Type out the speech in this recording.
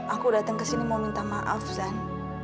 aku datang kesini mau minta maaf zan